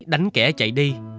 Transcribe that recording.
đánh kẻ chạy đi